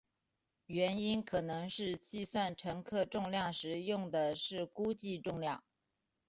原因可能是计算乘客重量时用的是估计重量。